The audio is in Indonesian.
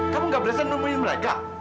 kamu gak berhasil nemuin mereka